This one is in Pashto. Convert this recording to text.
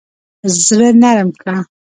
زړه نرم کړه.